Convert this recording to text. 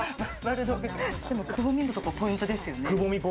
くぼみのところがポイントですよね。